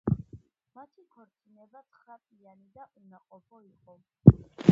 მათი ქორწინება ცხრაწლიანი და უნაყოფო იყო.